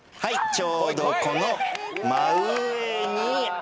ちょうどこの真上にあります。